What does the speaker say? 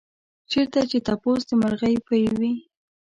چېرته چې تپوس د مرغۍ پۍ وي.